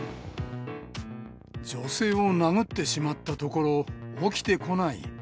女性を殴ってしまったところ、起きてこない。